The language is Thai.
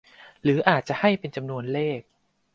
หรืออาจจะให้เป็นจำนวนเลข